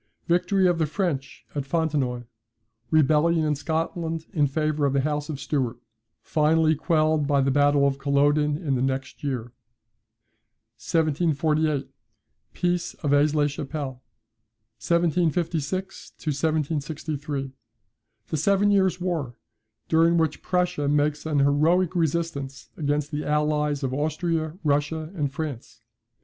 Victory of the French at Fontenoy. Rebellion in Scotland in favour of the House of Stuart: finally quelled by the battle of Culloden in the next year. 1748. Peace of Aix la Chapelle. 1756 1763. The Seven Years' War, during which Prussia makes an heroic resistance against the allies of Austria, Russia, and France.